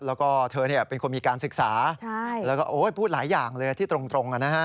แล้วก็เธอเป็นคนมีการศึกษาแล้วก็พูดหลายอย่างเลยที่ตรง